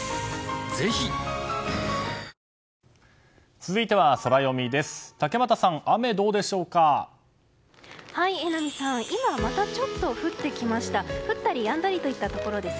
続いてはソラよみです。